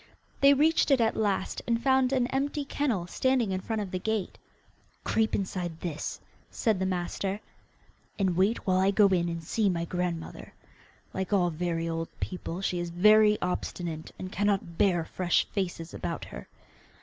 They reached it at last, and found an empty kennel standing in front of the gate. 'Creep inside this,' said the master, 'and wait while I go in and see my grandmother. Like all very old people, she is very obstinate, and cannot bear fresh faces about her.